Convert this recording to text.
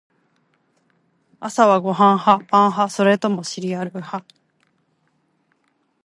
朝はご飯派？パン派？それともシリアル？